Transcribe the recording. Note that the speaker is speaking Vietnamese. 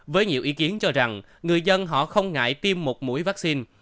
với nhiều ý kiến cho rằng người dân họ không ngại tiêm một mũi vaccine